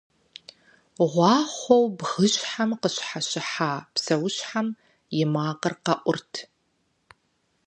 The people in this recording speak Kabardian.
Гъуахъуэу бгыщхьэм къыщхьэщыхьа псэущхьэм и макъыр къэӏурт.